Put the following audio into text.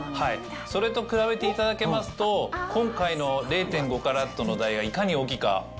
それと比べていただきますと今回の０．５ｃｔのダイヤがいかに大きいか。